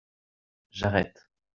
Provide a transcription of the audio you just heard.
J'arrête.